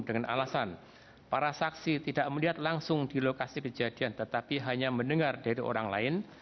dengan alasan para saksi tidak melihat langsung di lokasi kejadian tetapi hanya mendengar dari orang lain